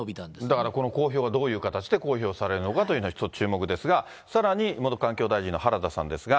だから、この公表はどういう形で公表されるのかということが、一つ、注目ですが、さらに、元環境大臣の原田さんですが。